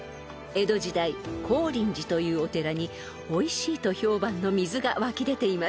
［江戸時代高林寺というお寺においしいと評判の水が湧き出ていました］